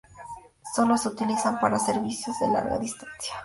Sólo se utilizan para servicios de Larga Distancia.